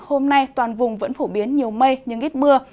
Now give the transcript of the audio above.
hôm nay toàn vùng vẫn phổ biến nhiều mây nhưng ít mưa